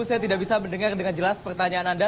saya tidak bisa mendengar dengan jelas pertanyaan anda